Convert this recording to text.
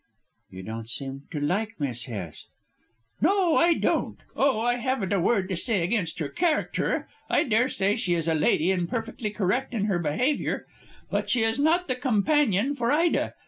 "You don't seem to like Miss Hest." "No, I don't. Oh, I haven't a word to say against her character. I daresay she is a lady and perfectly correct in her behaviour: but she is not the companion for Ida.